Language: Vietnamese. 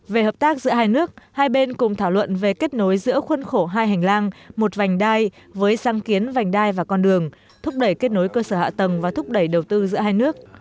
về hợp tác giữa hai nước hai bên cùng thảo luận về kết nối giữa khuân khổ hai hành lang một vành đai với sang kiến vành đai và con đường thúc đẩy kết nối cơ sở hạ tầng và thúc đẩy đầu tư giữa hai nước